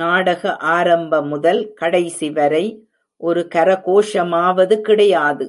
நாடக ஆரம்ப முதல் கடைசிவரை ஒரு கரகோஷமாவது கிடையாது!